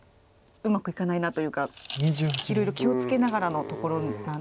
うまくいかないなというかいろいろ気を付けながらのところなんですね。